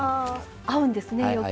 合うんですねよく。